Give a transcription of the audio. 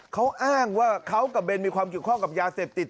เขาอ้างว่าเขากับเบนมีความเกี่ยวข้องกับยาเสพติด